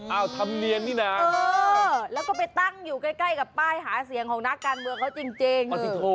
เอาธรรมเนียนนี่นะแล้วก็ไปตั้งอยู่ใกล้กับป้ายหาเสียงของนักการเมืองเขาจริง